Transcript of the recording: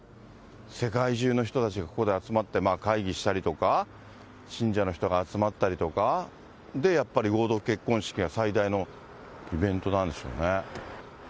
世界中の人たちがここで集まって、会議したりだとか、信者の人が集まったりとか、で、やっぱり合同結婚式が最大のイベントなんでしょうね。